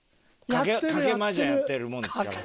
賭けマージャンやってるもんですから。